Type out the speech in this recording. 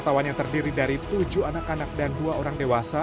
wisatawan yang terdiri dari tujuh anak anak dan dua orang dewasa